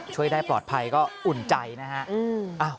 ช่วยได้ปลอดภัยก็อุ่นใจนะฮะ